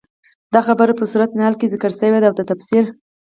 دا خبره په سورت نحل کي ذکر شوي ده، او د تفسير